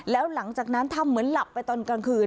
แล้วหลังจากนั้นทำเหมือนหลับไปตอนกลางคืน